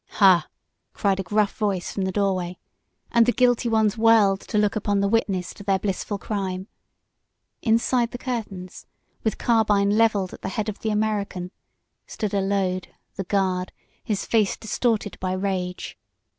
"Ha!" cried a gruff voice from the doorway, and the guilty ones whirled to look upon the witness to their blissful crime. Inside the curtains, with carbine leveled at the head of the American, stood Allode, the guard, his face distorted by rage.